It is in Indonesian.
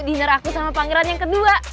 dinner aku sama pangeran yang kedua